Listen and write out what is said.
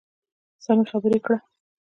سمې خبرې کړه .